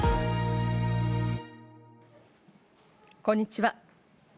こんにちは。